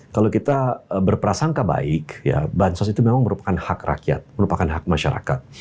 kalau kita berprasangka baik bansos itu memang merupakan hak rakyat merupakan hak masyarakat